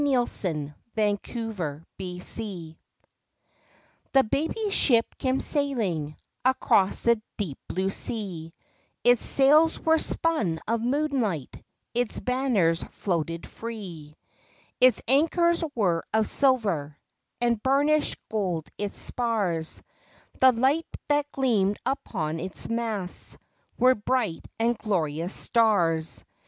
12 THE BABY'S SHIP. C he baby's ship came sailing Across the deep blue sea; Its sails were spun of moonlight; Its banners floated free; Its anchors were of silver, And burnished gold its spars; The lights that gleamed upon its masts Were bright and glorious stars.